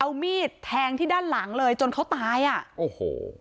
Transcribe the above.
เอามีดแทงที่ด้านหลังเลยจนเขาตายอ่ะโอ้โห